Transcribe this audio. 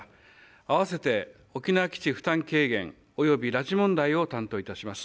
あわせて沖縄基地負担軽減および拉致問題を担当いたします。